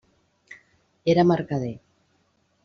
Era mercader.